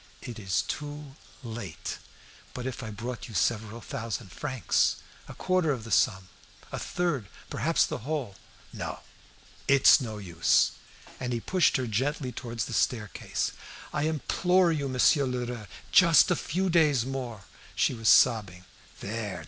"It is too late." "But if I brought you several thousand francs a quarter of the sum a third perhaps the whole?" "No; it's no use!" And he pushed her gently towards the staircase. "I implore you, Monsieur Lheureux, just a few days more!" She was sobbing. "There!